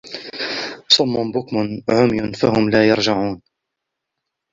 صُمٌّ بُكْمٌ عُمْيٌ فَهُمْ لَا يَرْجِعُونَ